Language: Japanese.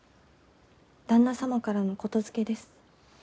旦那様からの言づけです。